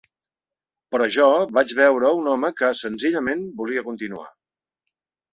Però jo vaig veure un home que senzillament volia continuar.